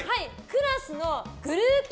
クラスのグループ